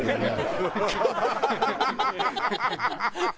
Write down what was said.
ハハハハ！